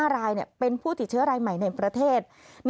๕รายเป็นผู้ติดเชื้อรายใหม่ในประเทศ